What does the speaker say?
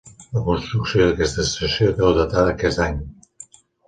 La construcció d'aquesta estació deu datar d'aquest any.